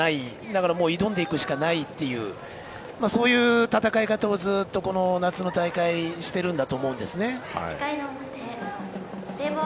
だから挑んでいくしかないというそういう戦い方をずっと夏の大会しているんだと思います。